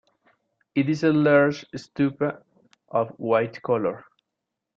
It is a large stupa of white color.